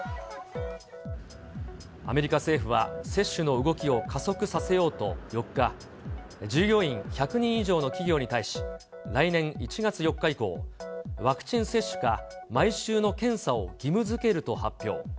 アメリカ政府は、接種の動きを加速させようと４日、従業員１００人以上の企業に対し、来年１月４日以降、ワクチン接種か毎週の検査を義務づけると発表。